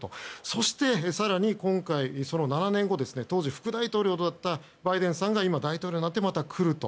そして、更に今回その７年後当時、副大統領だったバイデンさんが今、大統領になってまた来ると。